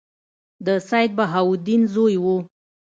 د سیدبهاءالدین زوی وو.